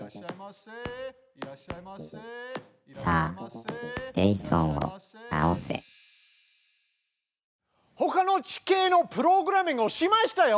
さあジェイソンをなおせほかの地形のプログラミングをしましたよ！